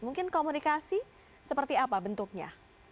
mungkin komunikasi seperti apa bentuknya